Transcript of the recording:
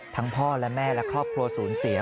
พ่อและแม่และครอบครัวสูญเสีย